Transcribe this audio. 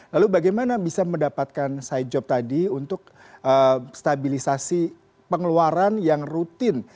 lalu bagaimana bisa mendapatkan side job tadi untuk stabilisasi pengeluaran yang rutin